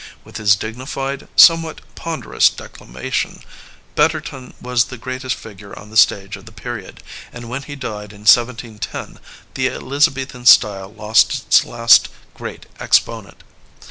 With his dignified, somewhat ponderous declama tion, Betterton was the greatest figure on the stage of the period, and when he died in 1710 the Eliza bethan style lost its last great exponent.